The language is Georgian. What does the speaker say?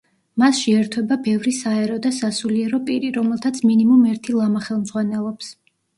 მასში ერთვება ბევრი საერო და სასულიერო პირი, რომელთაც მინიმუმ ერთი ლამა ხელმძღვანელობს.